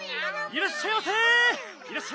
いらっしゃいませ！